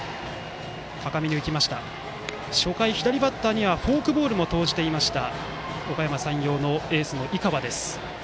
初回、左バッターにはフォークボールも投じていましたおかやま山陽のエースの井川です。